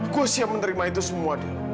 gue siap menerima itu semua dia